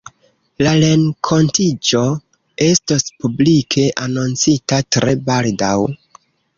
La renkontiĝo estos publike anoncita tre baldaŭ.